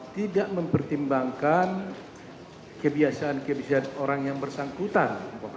tidak mempertimbangkan kebiasaan kebiasaan orang yang bersangkutan